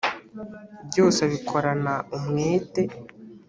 byose abikorana umwete.